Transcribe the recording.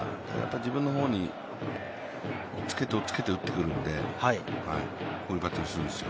自分の方におっつけて打ってくるんで、こういうバッティングするんですよ。